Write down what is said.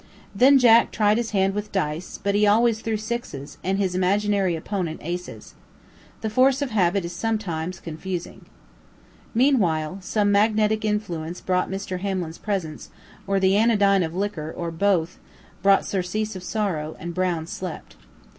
Then Jack tried his hand with dice; but he always threw sixes, and his imaginary opponent aces. The force of habit is sometimes confusing. Meanwhile, some magnetic influence in Mr. Hamlin's presence, or the anodyne of liquor, or both, brought surcease of sorrow, and Brown slept.